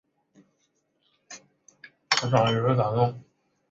他被捕后被引渡回香港。